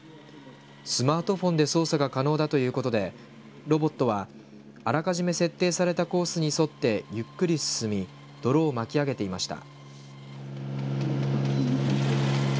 スマートフォンで操作が可能だということでロボットはあらかじめ設定されたコースに沿ってゆっくり進み泥を巻き上げていました。